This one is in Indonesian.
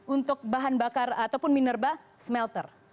untuk bahan bakar ataupun minerba smelter